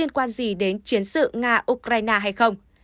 liên quan gì đến chiến sự nga ukraine hay không